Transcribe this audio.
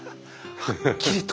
はっきりと。